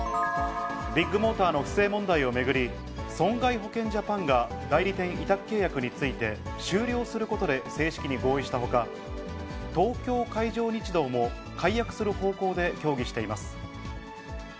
ビッグモーターの不正問題を巡り、損害保険ジャパンが代理店委託契約について終了することで正式に合意したほか、東京海上日動も解約する方向で協議しています。